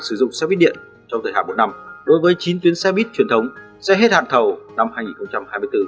sử dụng xe buýt điện trong thời hạn một năm đối với chín tuyến xe buýt truyền thống sẽ hết hạn thầu năm hai nghìn hai mươi bốn